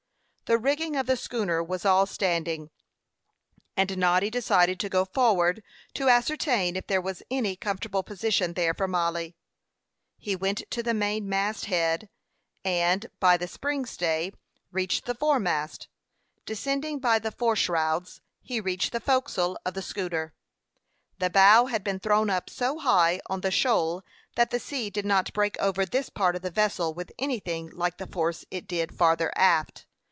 The rigging of the schooner was all standing, and Noddy decided to go forward to ascertain if there was any comfortable position there for Mollie. He went to the main mast head, and, by the spring stay, reached the fore mast. Descending by the fore shrouds, he reached the forecastle of the schooner. The bow had been thrown up so high on the shoal that the sea did not break over this part of the vessel with anything like the force it did farther aft.